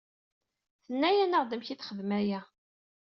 Tenna-aneɣ-d amek i texdem aya.